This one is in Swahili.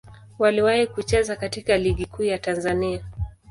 Waliwahi kucheza katika Ligi Kuu ya Tanzania.